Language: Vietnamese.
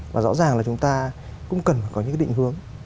và rõ ràng là chúng ta cũng cần phải có những cái định hướng